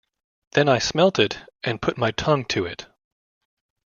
Then I smelt it and put my tongue to it.